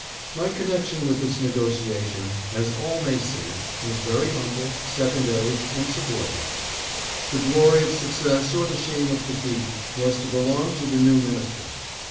My connection with this nego tiation, as all may see, was very humble, secondary and subordinate. The glory of success or the shame of de feat was to belong to the new minister.